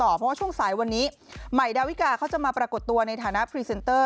เพราะว่าช่วงสายวันนี้ใหม่ดาวิกาเขาจะมาปรากฏตัวในฐานะพรีเซนเตอร์